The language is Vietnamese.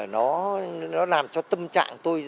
nó làm cho tâm trạng tôi